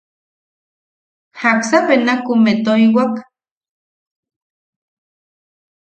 ¿Jaksa benakumeʼe toiwak?